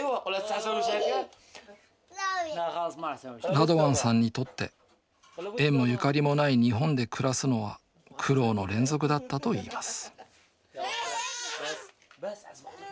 ラドワンさんにとって縁もゆかりもない日本で暮らすのは苦労の連続だったといいます